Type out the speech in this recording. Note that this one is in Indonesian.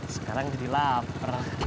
sekarang jadi lapar